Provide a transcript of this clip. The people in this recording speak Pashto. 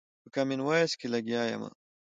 په کامن وايس کښې لګيا ىمه